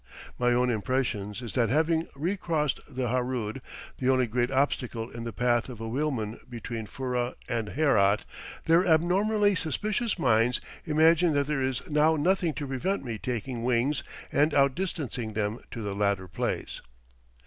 My own impression is that, having recrossed the Harood, the only great obstacle in the path of a wheelman between Furrah and Herat, their abnormally suspicious minds imagine that there is now nothing to prevent me taking wings and outdistancing them to the latter place.